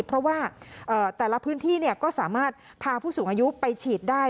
เพราะว่าแต่ละพื้นที่ก็สามารถพาผู้สูงอายุไปฉีดได้